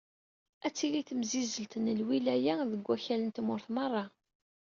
Ad d-tili temsizzelt n lwilaya deg wakal n tmurt merra.